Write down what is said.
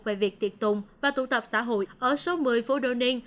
về việc tiệt tùng và tụ tập xã hội ở số một mươi phố đô ninh